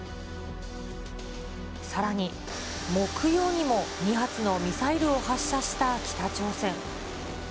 さらに、木曜にも２発のミサイルを発射した北朝鮮。